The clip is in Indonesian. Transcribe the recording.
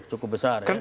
cukup besar ya